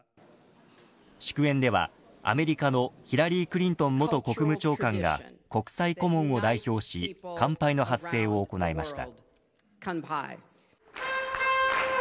祝宴では、アメリカのヒラリー・クリントン元国務長官が国際顧問を代表し乾杯の発声を行いました。